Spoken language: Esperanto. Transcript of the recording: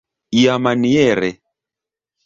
iamaniere